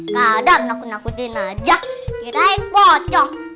kadang aku aku dinaja kirain pocong